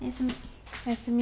おやすみ。